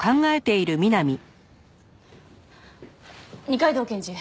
二階堂検事。